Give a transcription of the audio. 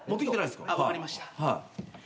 分かりました。